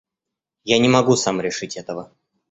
Я не могу сам решить этого.